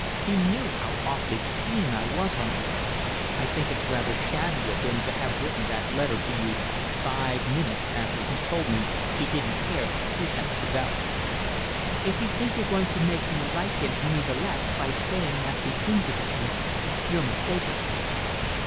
He knew how awfully keen I was on you. I think it's rather shabby of him to have written that letter to you five minutes after he told me he didn't care twopence about you." "If you think you're going to make me like him any the less by saying nasty things about him, you're mistaken."